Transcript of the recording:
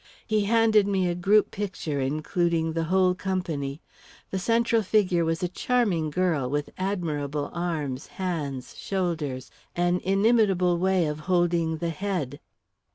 He handed me a group picture including the whole company. The central figure was a charming girl, with admirable arms, hands, shoulders an inimitable way of holding the head....